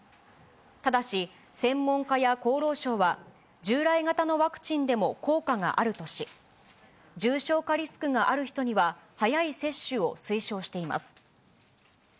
ただし、専門家や厚労省は、従来型のワクチンでも効果があるとし、重症化リスクがある人には、早い接種を推奨しています。